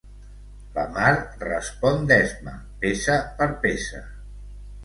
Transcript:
La Mar respon d'esma, peça per peça.